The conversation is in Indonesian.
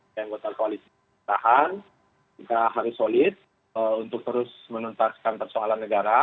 yang gota kualitas tahan kita harus solid untuk terus menuntaskan persoalan negara